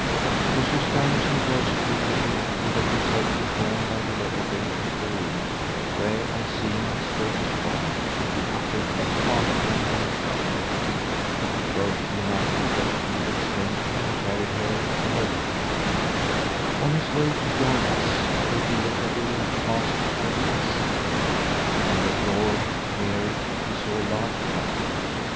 Monsieur Stangerson rose stupidly and let himself be drawn by Rouletabille into the room where, on seeing his daughter's body, he uttered a heart rending cry. Both united their feeble strength and carried her to her bed. On his way to join us Rouletabille passed by the desk. On the floor, near it, he saw a large packet.